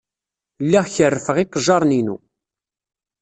Lliɣ kerrfeɣ iqejjaṛen-inu.